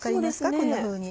こんなふうに。